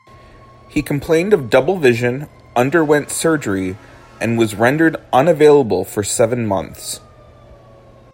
He complained of double vision, underwent surgery, and was rendered unavailable for seven months.